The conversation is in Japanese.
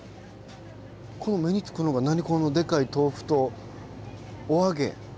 この目につくのが何このでかい豆腐とお揚げ。